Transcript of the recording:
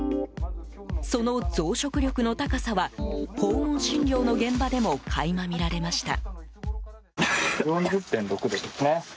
その増殖力の高さは訪問診療の現場でも垣間見られました。